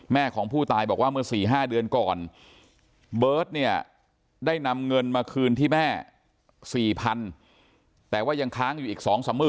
ของผู้ตายบอกว่าเมื่อ๔๕เดือนก่อนเบิร์ตเนี่ยได้นำเงินมาคืนที่แม่๔๐๐๐แต่ว่ายังค้างอยู่อีก๒๓๐๐๐